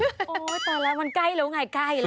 ตอนแรกมันใกล้แล้วไงใกล้แล้ว